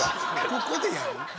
ここでやる？